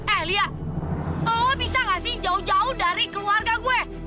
eh lia oh bisa gak sih jauh jauh dari keluarga gue